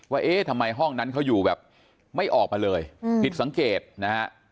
เอ๊ะทำไมห้องนั้นเขาอยู่แบบไม่ออกมาเลยผิดสังเกตนะฮะ